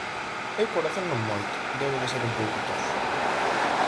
Eu corazón non moito, debo de ser un pouco toxo.